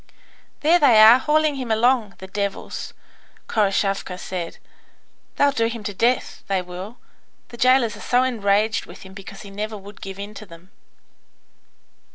"There they are, hauling him along, the devils!" Khoroshavka said. "They'll do him to death, they will. The jailers are so enraged with him because he never would give in to them."